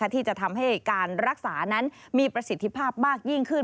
ที่จะทำให้การรักษานั้นมีประสิทธิภาพมากยิ่งขึ้น